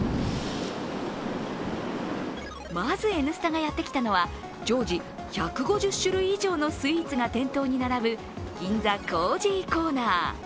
まず、「Ｎスタ」がやってきたのは、常時１５０種類以上のスイーツが店頭に並ぶ銀座コージーコーナー。